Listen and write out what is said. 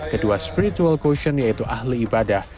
kedua spiritual question yaitu ahli ibadah